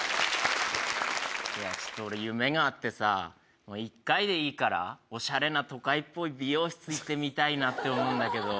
ちょっと俺、夢があってさ、１回でいいからおしゃれな都会っぽい美容室行ってみたいなって思うんだけど。